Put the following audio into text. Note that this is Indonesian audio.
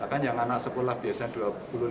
bahkan yang anak sekolah berpunyai lima puluh ribu rupiah